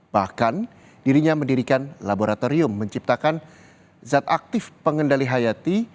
bahkan dirinya mendirikan laboratorium menciptakan zat aktif pengendali hayati